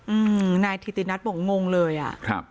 อืมนายถิตินัทบอกงงเลยอ่ะครับ